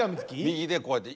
右でこうやって。